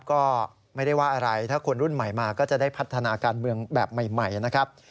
ก็ไม่ได้ว่าอะไรถ้าคนรุ่นใหม่มาก็จะได้พัฒนาการเมืองแบบใหม่นะครับ